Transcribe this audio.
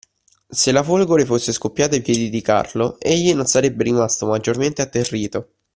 Se la folgore fosse scoppiata ai piedi di Carlo, egli non sarebbe rimasto maggiormente atterrito.